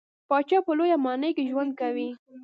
پاچا په لويه ماڼۍ کې ژوند کوي .